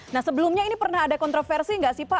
nah sebelumnya ini pernah ada kontroversi nggak sih pak